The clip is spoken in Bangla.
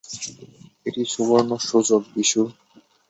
এটা সুবর্ণ সুযোগ, বিশু।